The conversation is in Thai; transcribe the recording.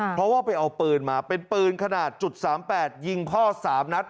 เพราะว่าไปเอาปืนมาเป็นปืนขนาด๓๘ยิงพ่อ๓นัด